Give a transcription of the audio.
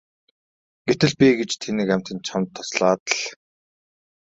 Гэтэл би гэж тэнэг амьтан чамд туслаад л!